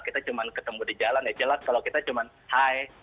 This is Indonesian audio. kita cuma ketemu di jalan ya jelas kalau kita cuma high